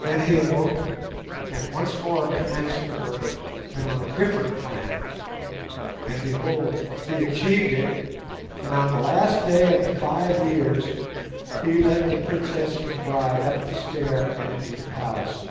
Then he awoke and once more commenced the work, but on a different plan, and behold! he achieved it, and on the last day of the five years he led the princess his bride up the stair and into the palace.